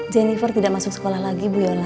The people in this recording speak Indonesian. jennifer tidak masuk sekolah lagi bu yono